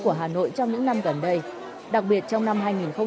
của hà nội trong những năm gần đây đặc biệt trong năm hai nghìn một mươi chín